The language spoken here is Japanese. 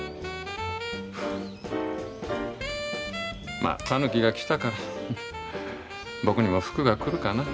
まあたぬきが来たから僕にも福が来るかな。